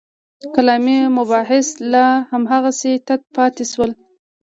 کلامي مباحث لا هماغسې تت پاتې شول.